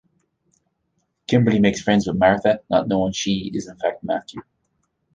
Kimberly makes friends with Martha, not knowing "she" is in fact Matthew.